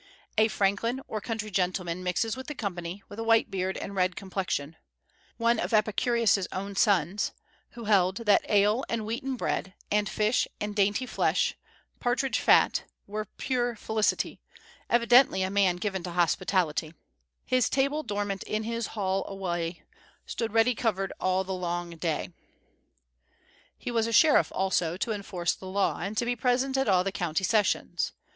A franklin, or country gentleman, mixes with the company, with a white beard and red complexion; one of Epicurus's own sons, who held that ale and wheaten bread and fish and dainty flesh, partridge fat, were pure felicity; evidently a man given to hospitality, "His table dormant in his hall alway Stood ready covered all the longe day." He was a sheriff, also, to enforce the law, and to be present at all the county sessions.